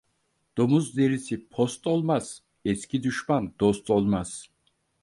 Domuz derisi post olmaz, eski düşman dost olmaz.